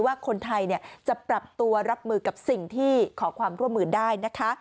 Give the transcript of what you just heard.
ว่าคนไทยจะปรับตัวรับมือกับสิ่งที่ขอความร่วมมือได้นะคะ